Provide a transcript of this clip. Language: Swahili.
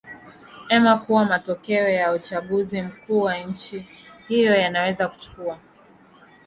ema kuwa matokeo ya uchaguzi mkuu wa nchi hiyo yanaweza kuchukua